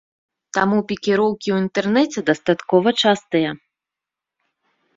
Таму пікіроўкі ў інтэрнэце дастаткова частыя.